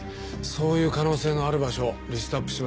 そういう可能性のある場所リストアップしましょう。